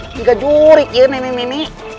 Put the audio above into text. tiga jurikin ini